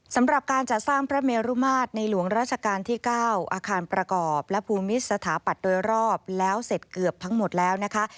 สำหรับการจัดสร้างพระเมรุมาตรในหลวงราชการที่๙อาคารประกอบและภูมิสถาปัตย์โดยรอบแล้วเสร็จเกือบทั้งหมดแล้วนะคะ